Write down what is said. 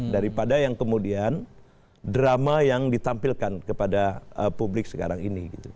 daripada yang kemudian drama yang ditampilkan kepada publik sekarang ini